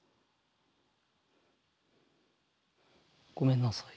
ごめんなさい。